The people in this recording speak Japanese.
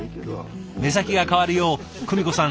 目先が変わるよう久美子さん